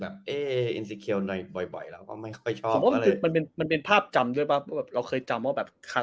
แอ้เอ๊นสิเกียวหน่อยบ่อยแล้วก็ไม่ค่อยชอบเลยมันมีภาพจำได้เปล่าเราเคยจำว่าแบบ